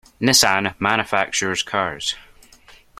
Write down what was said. Nissan manufactures cars.